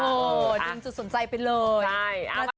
โอ้จริงจุดสนใจไปเลยใช่